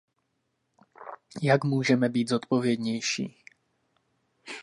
Jak můžeme být zodpovědnější?